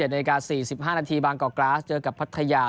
๑๗นสี่สิบห้านาทีบางกอกร้าสเจอกับพัทยา